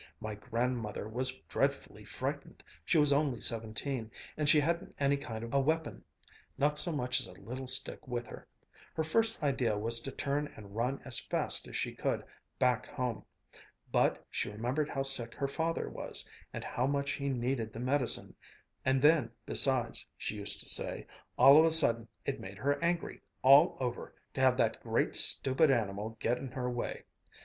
"My grandmother was dreadfully frightened. She was only seventeen, and she hadn't any kind of a weapon, not so much as a little stick with her. Her first idea was to turn and run as fast as she could, back home. But she remembered how sick her father was, and how much he needed the medicine; and then besides, she used to say, all of a sudden it made her angry, all over, to have that great stupid animal get in her way.